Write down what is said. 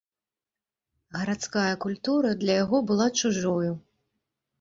Гарадская культура для яго была чужою.